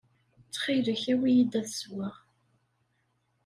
Ttxil-k, awi-yi-d ad sweɣ.